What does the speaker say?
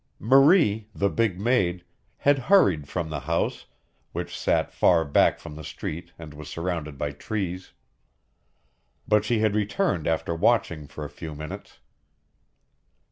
Marie, the big maid, had hurried from the house, which sat far back from the street and was surrounded by trees. But she had returned after watching for a few minutes.